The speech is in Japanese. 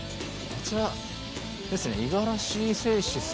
こちらですね五十嵐製紙さん。